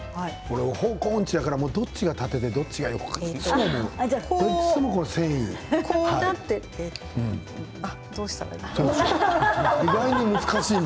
方向音痴だからどっちが縦で、どっちが横かどうしたらいいだろう。